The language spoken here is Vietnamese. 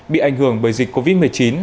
bị ảnh hưởng bởi dịch covid một mươi chín